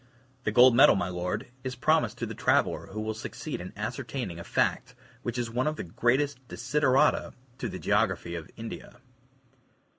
The gold medal, my Lord, is promised to the traveler who will succeed in ascertaining a fact which is one of the greatest DESIDERATA to the geography of India."